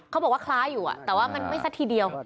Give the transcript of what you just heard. เขาบอกว่าคล้ายอยู่แต่ว่ามันไม่สักทีเดียว